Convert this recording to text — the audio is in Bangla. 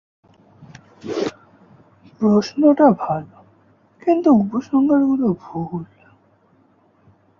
প্রশ্নটা ভালো, কিন্তু উপসংহারগুলো ভুল।